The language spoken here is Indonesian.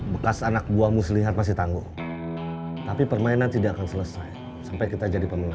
bekas anak buah muslihat masih tangguh tapi permainan tidak akan selesai sampai kita jadi pemenang